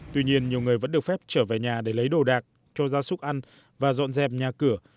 tuy nhiên nhiều người vẫn được phép trở về nhà để lấy đồ đạc cho gia súc ăn và dọn dẹp nhà cửa